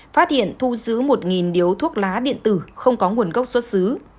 phát hiện thu giữ một điếu thuốc lá điện tử không có nguồn gốc xuất xứ